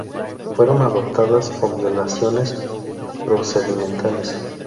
Fueron adoptadas con violaciones procedimentales.